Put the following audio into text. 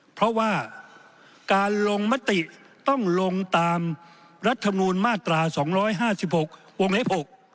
เพราะว่าการลงมติต้องลงตามรัฐมนูลมาตรา๒๕๖วงเล็บ๖